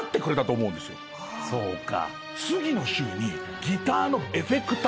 そうか。